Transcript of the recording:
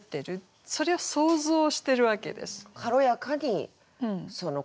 それを想像してるわけです。